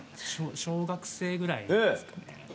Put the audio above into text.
小学生ぐらいですかね。